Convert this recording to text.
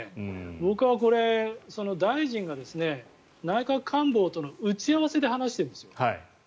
僕はこれ、大臣が内閣官房との打ち合わせで話しているんですよ。